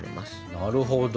なるほど。